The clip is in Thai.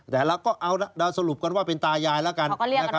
แต่เราก็เอาเราสรุปกันว่าเป็นตายายแล้วกัน